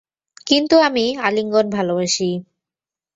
কিন্তু আমি আলিঙ্গন ভালবাসি।